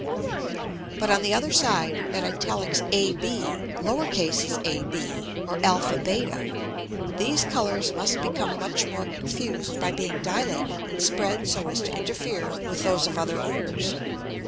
But on the other side, at ab, ab, or [Greek: ab], these Colours must become much more confused by being dilated and spread so as to interfere with those of other Orders.